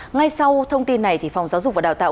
ngay sau thông tin này phòng giáo dục và đào tạo